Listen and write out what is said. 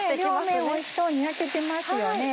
両面おいしそうに焼けてますよね。